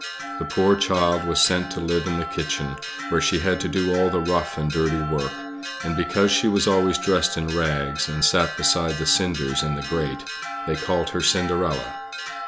The poor child was sent to live in the kitchen, where she had to do all the rough and dirty work; and because she was always dressed in rags, and sat beside the cinders in the grate, they called her Cinderella.